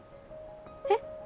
えっ？